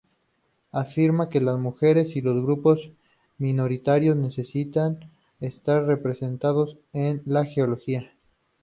Afirma que las mujeres y los grupos minoritarios necesitan estar representados en la geología.